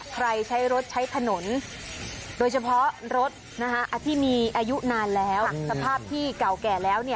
ใช้รถใช้ถนนโดยเฉพาะรถที่มีอายุนานแล้วสภาพที่เก่าแก่แล้ว